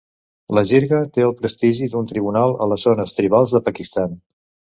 La jirga té el prestigi d'un tribunal a les zones tribals de Pakistan.